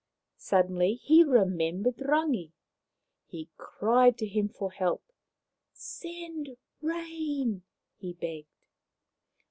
Suddenly he remembered Rangi. He cried to him for help. " Send rain," he begged.